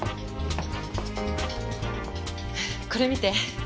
これ見て。